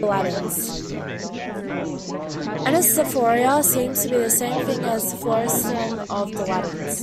Anthesphoria seems to be the same thing as the Florisertum of the Latins.